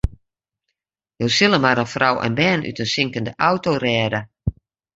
Jo sille mar in frou en bern út in sinkende auto rêde.